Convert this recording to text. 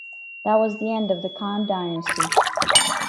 That was the end of the Khen dynasty.